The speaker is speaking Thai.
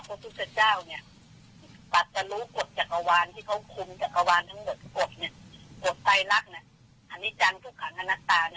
กฎเนี่ยกฎใต้รักเนี่ยอันนี้จังทุกขังอาณาตาเนี่ย